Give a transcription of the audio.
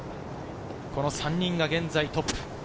この３人が現在トップ。